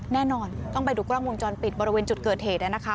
แน่นอนต้องไปดูกล้องวงจรปิดบริเวณจุดเกิดเหตุ